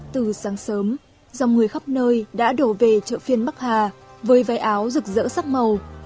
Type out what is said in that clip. từ sáng sớm dòng người khắp nơi đã đổ về chợ phiên bắc hà với váy áo rực rỡ sắc màu